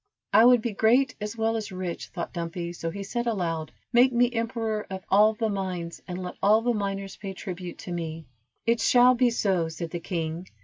"I would be great as well as rich," thought Dumpy, so he said aloud: "Make me emperor of all the mines, and let all the miners pay tribute to me." "It shall be so," said the king.